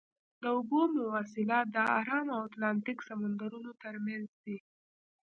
د اوبو مواصلات د ارام او اتلانتیک سمندرونو ترمنځ دي.